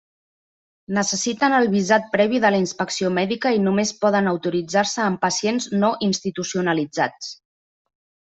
Necessiten el visat previ de la inspecció mèdica i només poden autoritzar-se en pacients no institucionalitzats.